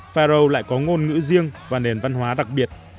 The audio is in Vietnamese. pharo lại có ngôn ngữ riêng và nền văn hóa đặc biệt